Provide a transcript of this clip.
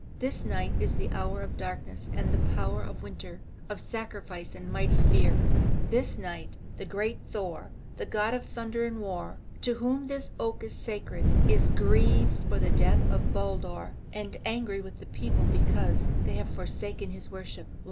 This night is the hour of darkness and the power of winter, of sacrifice and mighty fear. This night the great Thor, the god of thunder and war, to whom this oak is sacred, is grieved for the death of Baldur, and angry with this people because they have forsaken his worship.